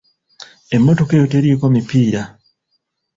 Emmotoka eyo teriiko mipiira.